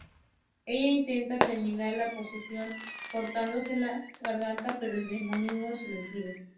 Ella intenta terminar la posesión cortándose la garganta, pero el demonio se lo impide.